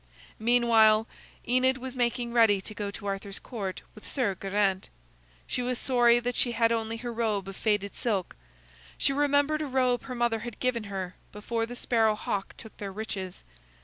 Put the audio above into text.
Meanwhile, Enid was making ready to go to Arthur's Court with Sir Geraint. She was sorry that she had only her robe of faded silk. She remembered a robe her mother had given her before the Sparrow hawk took their riches.